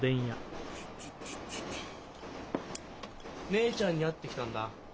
姉ちゃんに会ってきたんだ。